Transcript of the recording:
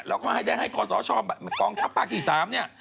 แล้วก็มาแก้ไขให้ก่อสร้างสถานที่๓เนี่ย